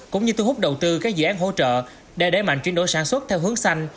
cũng như thu hút đầu tư các dự án hỗ trợ để đẩy mạnh chuyển đổi sản xuất theo hướng xanh